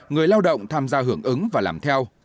người lao động tham gia hưởng ứng và làm theo